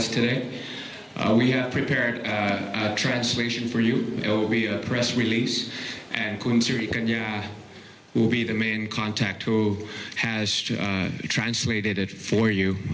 แก้ปัญหาแนวเกียรติภัณฑ์ไหม